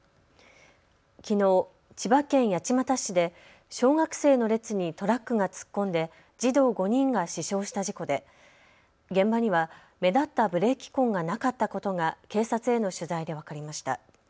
きのう、千葉県八街市で小学生の列にトラックが突っ込んで児童５人が死傷した事故で現場には目立ったブレーキ痕がなかったことが警察への取材で分かりました。